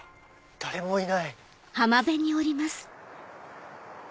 誰もいない。